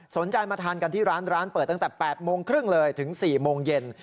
สนใจมาทานกันที่ร้านร้านเปิดตั้งแต่๘โมงครึ่งเลยถึง๔โมงเย็น